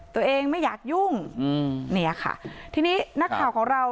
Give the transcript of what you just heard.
ตัวเองไม่อยากยุ่งอืมเนี่ยค่ะทีนี้นักข่าวของเรา